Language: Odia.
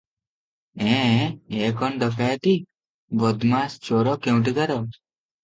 ଏଁ -ଏଁ -ଏ କଣ ଡକାଏତି! ବଦମାଏସ୍ ଚୋର କେଉଁଠିକାର ।